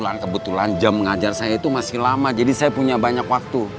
kebetulan jam mengajar saya itu masih lama jadi saya punya banyak waktu